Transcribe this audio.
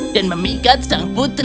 dan memikat sang putri ke kamar